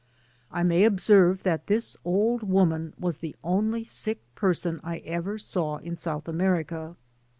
I may observe that this old woman was the only sick person I ever saw in South America.